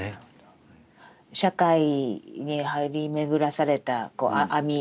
社会に張り巡らされた網。